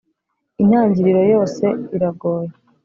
intangiriro yose iragoye